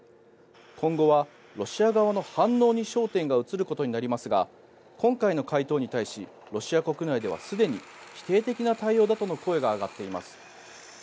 今後はロシア側の反応に焦点が移ることになりますが今回の回答に対しロシア国内では、すでに否定的な対応だとの声が上がっています。